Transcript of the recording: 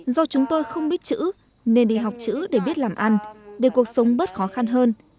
do chúng tôi không biết chữ nên đi học chữ để biết làm ăn để cuộc sống bớt khó khăn hơn